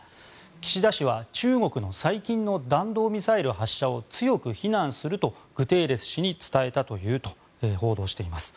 岸田氏は中国の最近の弾道ミサイル発射を強く非難するとグテーレス氏に伝えたというと報道しています。